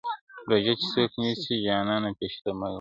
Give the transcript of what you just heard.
روژه چي څوک نيسي جانانه پېشلمی غواړي